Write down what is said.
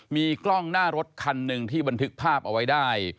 มีกล้องหน้ารถคันหนึ่งที่บันทึกภาพเอาไว้ได้